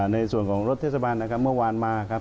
ในส่วนของรถเทศบาลนะครับเมื่อวานมาครับ